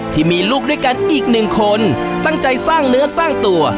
ที่มีลูกด้วยกันอีกหนึ่งคนตั้งใจสร้างเนื้อสร้างตัว